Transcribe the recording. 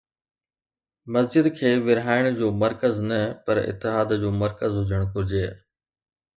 مسجد کي ورهائڻ جو مرڪز نه پر اتحاد جو مرڪز هجڻ گهرجي.